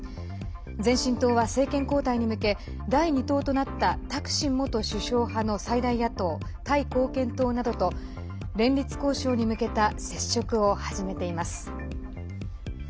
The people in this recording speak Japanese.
前進党は政権交代に向け第２党となったタクシン元首相派の最大野党タイ貢献党などと連立交渉に向けた接触を始めています。